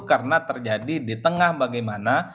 karena terjadi di tengah bagaimana